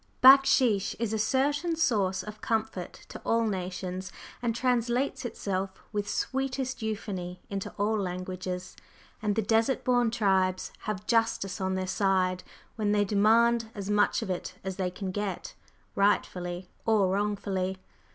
"Backsheesh" is a certain source of comfort to all nations, and translates itself with sweetest euphony into all languages, and the desert born tribes have justice on their side when they demand as much of it as they can get, rightfully or wrongfully.